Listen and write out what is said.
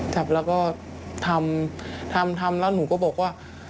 จับแล้วก็ทำทำแล้วหนูก็บอกว่า